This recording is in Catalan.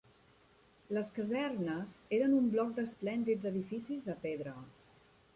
Les Casernes eren un bloc d'esplèndids edificis de pedra